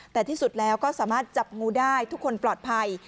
แต่ที่สุดแล้วก็สามารถจับงูได้ทุกคนปลอดภัย